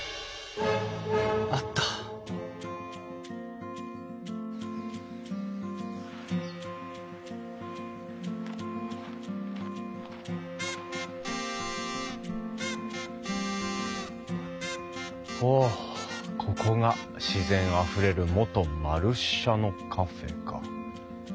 あったおここが「自然あふれる元●舎のカフェ」か。